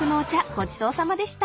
ごちそうさまでした］